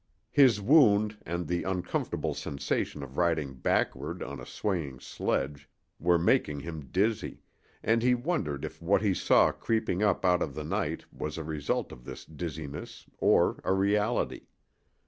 His wound and the uncomfortable sensation of riding backward on a swaying sledge were making him dizzy, and he wondered if what he saw creeping up out of the night was a result of this dizziness or a reality.